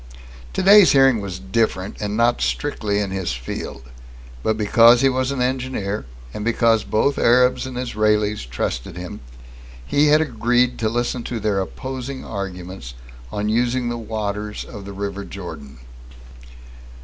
Today's hearing was different, and not strictly in his field. But because he was an engineer, and because both Arabs and Israelis trusted him, he had agreed to listen to their opposing arguments on using the waters of the River Jordan.